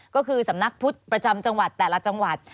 ก็คือสำนักพุทธประจำจังหวัดแต่ละจังหวัด